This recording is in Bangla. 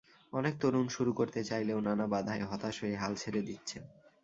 অনেক তরুণ শুরু করতে চাইলেও নানা বাধায় হতাশ হয়ে হাল ছেড়ে দিচ্ছেন।